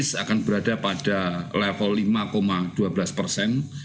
akan berada pada level lima dua belas persen